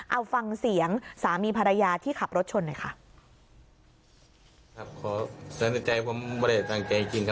เอาฟังเสียงสามีภรรยาที่ขับรถชนหน่อยค่ะ